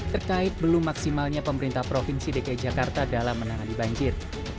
terkait belum maksimalnya pemerintah provinsi dki jakarta dalam menangani banjir